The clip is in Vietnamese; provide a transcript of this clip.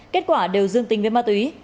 kết quả đều dương tình với ma túy